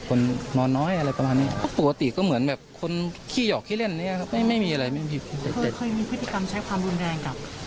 เคยมีพฤติกรรมใช้ความรุนแรงกับคุณรอบข้าง